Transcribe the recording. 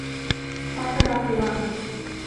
Патырак улам!